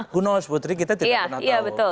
kuno putri kita tidak pernah tahu